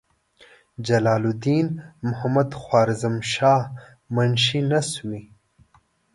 جلال الدین محمدخوارزمشاه منشي نسوي.